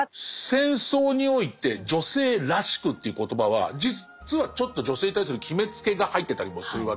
戦争において「女性らしく」という言葉は実はちょっと女性に対する決めつけが入ってたりもするわけですよ。